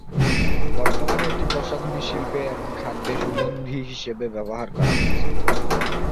বর্তমানে এটি প্রসাধনী শিল্পে এবং খাদ্যে সুগন্ধি হিসেবে ব্যবহার করা হচ্ছে।